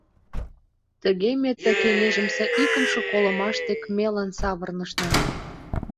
Тыге ме ты кеҥежымсе икымше колымаш дек мелын савырнышна.